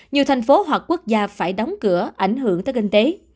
nhiều thành phố hoặc quốc gia phải đóng cửa ảnh hưởng tới kinh tế